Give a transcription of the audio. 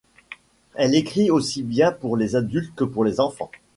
Elle écrit aussi bien pour les adultes que pour les enfants.